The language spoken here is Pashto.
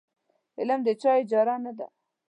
علم د چا اجاره نه ده.